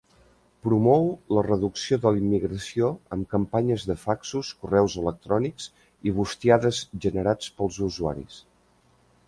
Promou la reducció de la immigració amb campanyes de faxos, correus electrònics i bustiades generats pels usuaris.